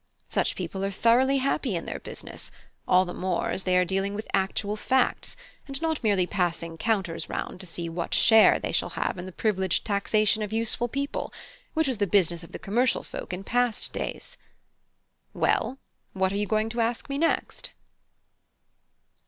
Such people are thoroughly happy in their business, all the more as they are dealing with actual facts, and not merely passing counters round to see what share they shall have in the privileged taxation of useful people, which was the business of the commercial folk in past days. Well, what are you going to ask me next?"